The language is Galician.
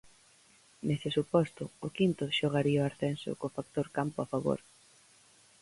Nese suposto, o quinto xogaría o ascenso co factor campo a favor.